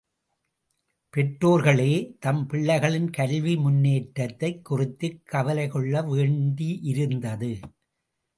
பெற்றோர்களே தம் பிள்ளைகளின் கல்வி முன்னேற்றத்தைக் குறித்துக் கவலைகொள்ள வேண்டியிருந்தது.